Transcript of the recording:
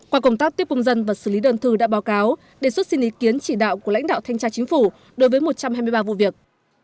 qua công tác tiếp công dân và xử lý đơn thư đã báo cáo đề xuất xin ý kiến chỉ đạo của lãnh đạo thanh tra chính phủ đối với một trăm hai mươi ba vụ việc